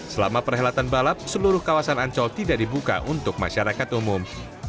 selama perhelatan balap seluruh kawasan ancol tidak dibuka untuk masyarakat umum